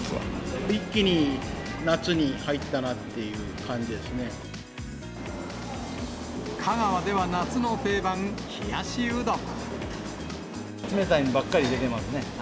一気に夏に入ったなっていう香川では夏の定番、冷やしう冷たいのばっかり出てますね。